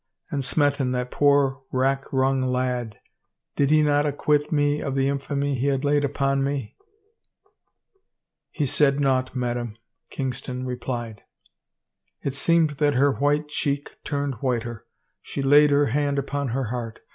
. And Smeton, that poor rack wrung lad — did he not acquit me of the infamy he had laid upon me ?"" He said naught, madame," Kingston replied. It seemed that her white cheek turned whiter. She laid her hand upon her heart.